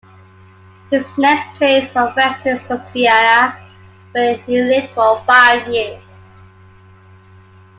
His next place of residence was Vienna, where he lived for five years.